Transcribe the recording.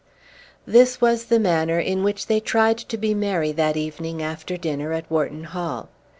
This was the manner in which they tried to be merry that evening after dinner at Wharton Hall.